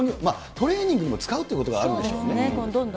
トレーニングにも使うってことがそうでしょうね。